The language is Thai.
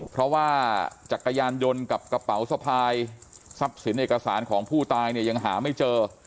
เพราะว่าจักรยานยนต์กับกระเป๋าสะพายทรัพย์สินเอกสารของผู้ตายเนี่ยยังหาไม่เจอ